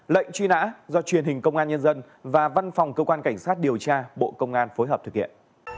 lệnh truy nã do truyền hình công an nhân dân và văn phòng cơ quan cảnh sát điều tra bộ công an phối hợp thực hiện